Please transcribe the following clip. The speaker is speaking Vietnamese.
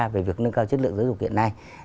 về việc nâng cao chất lượng giáo dục hiện nay